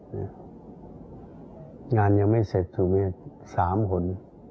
อย่างงานยังไม่เสร็จพระสุมมติ๓คน